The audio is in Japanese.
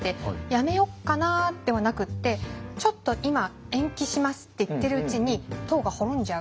「やめよっかな」ではなくって「ちょっと今延期します」って言ってるうちに唐が滅んじゃう。